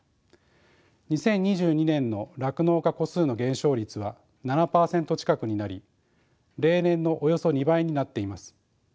２０２２年の酪農家戸数の減少率は７％近くになり例年のおよそ２倍になっています。